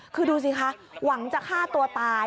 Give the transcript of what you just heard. คือดูสิคะหวังจะฆ่าตัวตาย